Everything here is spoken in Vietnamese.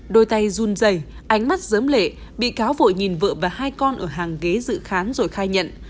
đôi tay run dày ánh mắt sớm lệ bị cáo vội nhìn vợ và hai con ở hàng ghế dự khán rồi khai nhận